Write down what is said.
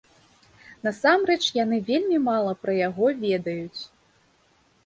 Насамрэч яны вельмі мала пра яго ведаюць.